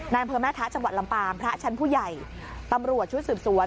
อำเภอแม่ทะจังหวัดลำปางพระชั้นผู้ใหญ่ตำรวจชุดสืบสวน